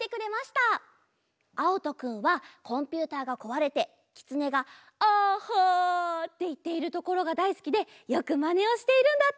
あおとくんはコンピューターがこわれてきつねが「ＡＨＨＡ」っていっているところがだいすきでよくまねをしているんだって！